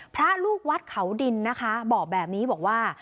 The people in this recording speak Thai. พระลูกวัดเขาดินนะคะบอกแบบนี้บอกว่า